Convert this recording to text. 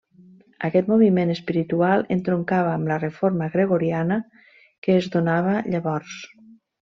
Aquest moviment espiritual entroncava amb la reforma gregoriana que es donava llavors.